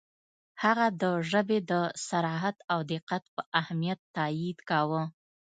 • هغه د ژبې د صراحت او دقت پر اهمیت تأکید کاوه.